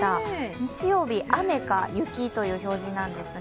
日曜日、雨か雪という表示なんですが。